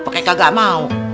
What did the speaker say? pake kagak mau